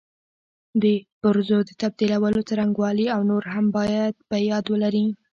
د پرزو د تبدیلولو څرنګوالي او نور هم باید په یاد ولري.